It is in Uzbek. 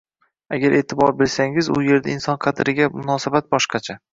Agar e’tibor bersangiz, u yerda inson qadriga munosabat boshqacha.